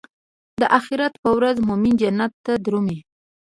د اخرت پر ورځ مومن جنت ته درومي.